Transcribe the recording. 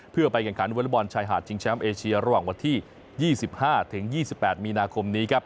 เพื่อไปแข่งขันวอเล็กบอลชายหาดชิงแชมป์เอเชียระหว่างวันที่๒๕๒๘มีนาคมนี้ครับ